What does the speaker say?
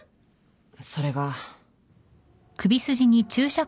それが。